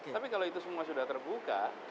tapi kalau itu semua sudah terbuka